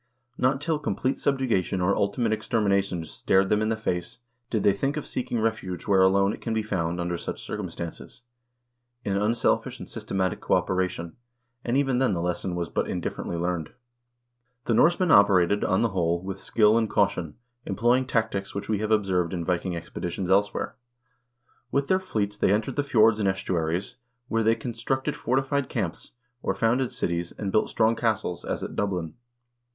Not till complete sub jugation or ultimate extermination stared them in the face did they think of seeking refuge where alone it can be found under such cir cumstances, in unselfish and systematic cooperation ; and even then the lesson was but indifferently learned. The Norsemen operated, on the whole, with skill and caution, employing tactics which we have observed in Viking expeditions elsewhere. With their fleets they entered the fjords and estuaries, where they constructed fortified camps, or founded cities, and built strong castles, as at Dublin.